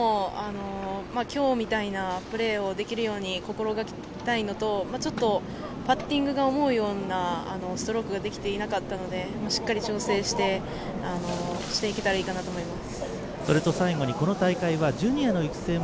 あしたも今日みたいなプレーをできるように心掛けたいのとちょっとパッティングが思うようなストロークができていなかったのでしっかり調整してしていけたらいいかなと思います。